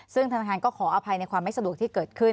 ซึ่งธนาคารก็ขออภัยในความไม่สะดวกที่เกิดขึ้น